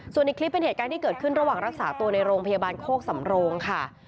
ส่วนอีกคลิปเป็นเหตุการณ์ที่เกิดขึ้นระหว่างรักษาตัวในโรงพยาบาลโคกสำโรงค่ะ